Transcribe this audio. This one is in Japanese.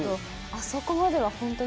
あそこまではホントに。